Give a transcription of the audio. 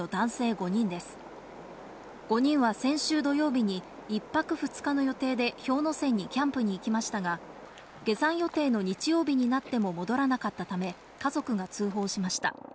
５人は先週土曜日に、１泊２日の予定で氷ノ山にキャンプに行きましたが、下山予定の日曜日になっても戻らなかったため、家族が通報しました。